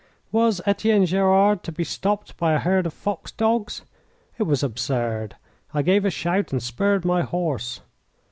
Was Etienne Gerard to be stopped by a herd of fox dogs? It was absurd. I gave a shout and spurred my horse.